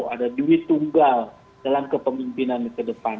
ada duit tunggal dalam kepemimpinan ke depan